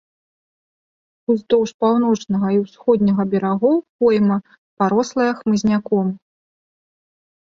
Уздоўж паўночнага і ўсходняга берагоў пойма, парослая хмызняком.